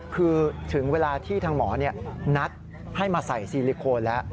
คือถึงเวลาที่ทางหมอนัดให้มาใส่ซีลิโคนแล้ว